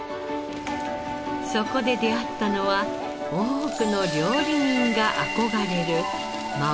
そこで出会ったのは多くの料理人が憧れる幻の鴨。